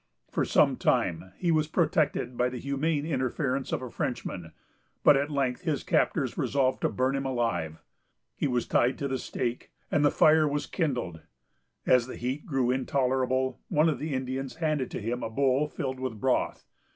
For some time, he was protected by the humane interference of a Frenchman; but at length his captors resolved to burn him alive. He was tied to the stake, and the fire was kindled. As the heat grew intolerable, one of the Indians handed to him a bowl filled with broth.